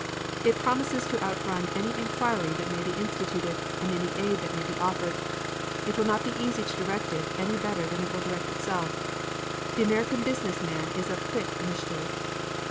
It promises to outrun any inquiry that may be instituted and any aid that may be offered. It will not be easy to direct it any better than it will direct itself. The American business man is of quick initiative....